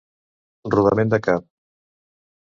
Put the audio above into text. Rodament de cap.